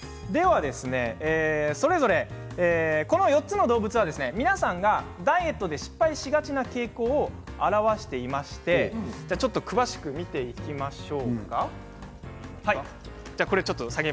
それぞれこの４つの動物は皆さんがダイエットで失敗しがちな傾向を表していまして詳しく見ていきましょう。